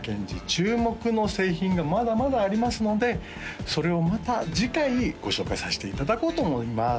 注目の製品がまだまだありますのでそれをまた次回ご紹介させていただこうと思います